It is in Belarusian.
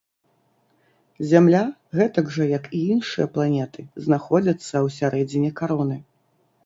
Зямля, гэтак жа як і іншыя планеты, знаходзяцца ўсярэдзіне кароны.